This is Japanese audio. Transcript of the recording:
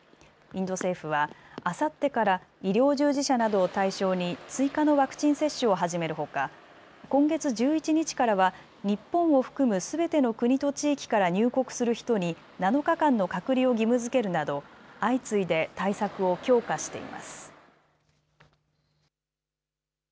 インド政府はあさってから医療従事者などを対象に追加のワクチン接種を始めるほか今月１１日からは日本を含むすべての国と地域から入国する人に７日間の隔離を義務づけるなど相次いで対策を強化しています。